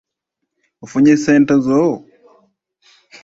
Ofunye ssente zo?